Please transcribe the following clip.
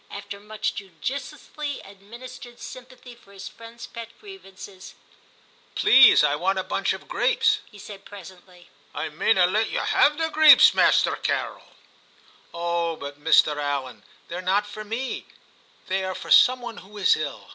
After much judiciously administered sympathy for his friend's pet grievances, ' Please, I want a bunch of grapes,' he said presently. ' I mayna let ye have the greeps, Masterrr Carrel.' * Oh but, M 'Allan, they're not for me ; they are for some one who is ill.